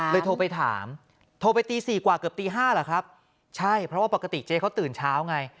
โทรไปถามโทรไปตีสี่กว่าเกือบตีห้าเหรอครับใช่เพราะว่าปกติเจ๊เขาตื่นเช้าไง